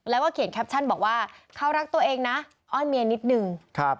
แล้วก็เขียนแคปชั่นบอกว่าเขารักตัวเองนะอ้อนเมียนิดนึง